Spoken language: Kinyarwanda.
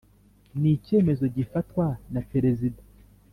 ni icyemezo gifatwa na Perezida